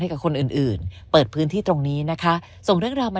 กับคนอื่นอื่นเปิดพื้นที่ตรงนี้นะคะส่งเรื่องราวมา